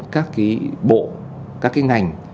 các cái bộ các cái ngành